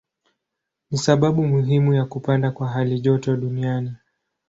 Ni sababu muhimu ya kupanda kwa halijoto duniani.